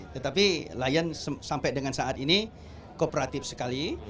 tetapi lion sampai dengan saat ini kooperatif sekali